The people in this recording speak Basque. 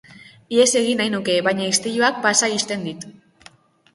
Ihes egin nahi nuke baina istiluak pasa ixten dit.